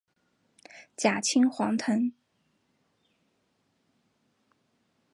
假青黄藤